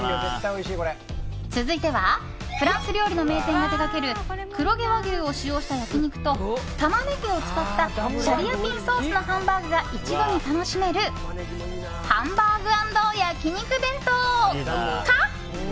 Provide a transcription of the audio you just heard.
続いてはフランス料理の名店が手掛ける黒毛和牛を使用した焼き肉とタマネギを使ったシャリアピンソースのハンバーグが一度に楽しめるハンバーグ＆焼肉ＢＥＮＴＯか。